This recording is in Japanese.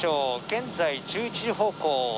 現在１１時方向１５